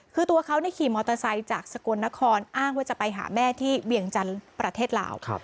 คือตัวเขาขี่มอเตอร์ไซค์จากสกลนครอ้างว่าจะไปหาแม่ที่เวียงจันทร์ประเทศลาว